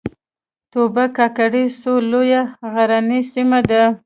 توبه کاکړۍ سوه لویه غرنۍ سیمه ده